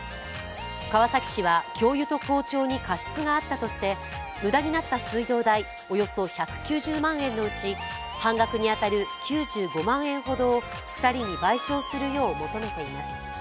川崎市は教諭と校長に過失があったとして、無駄になった水道代およそ１９０万円のうち半額に当たる９５万円ほどを２人に賠償するよう求めています。